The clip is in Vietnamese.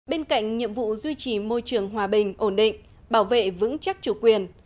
bên cạnh nhiệm vụ duy trì môi trường hòa bình ổn định bảo vệ vững chắc chủ quyền